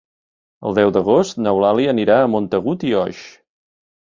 El deu d'agost n'Eulàlia anirà a Montagut i Oix.